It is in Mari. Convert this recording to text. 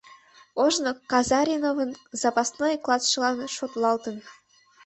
Ожно Казариновын запасной клатшылан шотлалтын.